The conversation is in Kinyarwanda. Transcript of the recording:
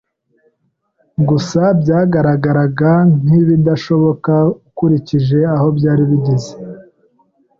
Gusa byagaragaraga nk’ibidashoboka ukurikije aho byari bigeze.